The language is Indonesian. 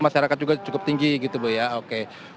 masyarakat juga cukup tinggi gitu loh ya oke